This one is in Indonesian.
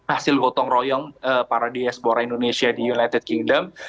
hasil gotong royong para diaspora indonesia di united kingdom